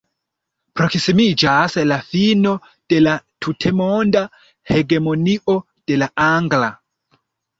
Proksimiĝas la fino de la tutmonda hegemonio de la angla.